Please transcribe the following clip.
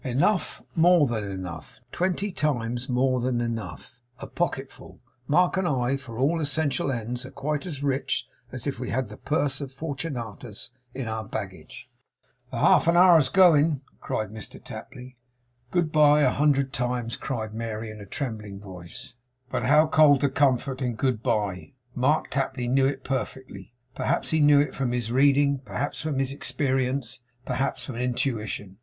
'Enough! More than enough. Twenty times more than enough. A pocket full. Mark and I, for all essential ends, are quite as rich as if we had the purse of Fortunatus in our baggage.' 'The half hour's a going!' cried Mr Tapley. 'Good bye a hundred times!' cried Mary, in a trembling voice. But how cold the comfort in Good bye! Mark Tapley knew it perfectly. Perhaps he knew it from his reading, perhaps from his experience, perhaps from intuition.